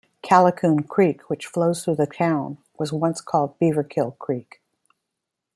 Callicoon Creek, which flows through the town, was once called Beaverkill Creek.